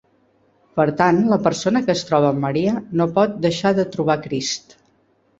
Per tant, la persona que es troba amb Maria no pot deixar de trobar Crist.